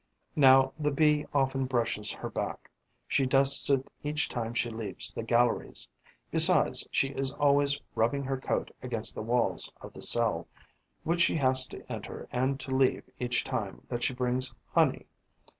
Now the Bee often brushes her back: she dusts it each time she leaves the galleries; besides, she is always rubbing her coat against the walls of the cell, which she has to enter and to leave each time that she brings honey.